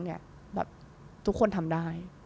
แบบทุกคนทำได้